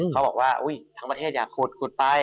เขาบอกว่าทั้งประเทศอยากขุดไป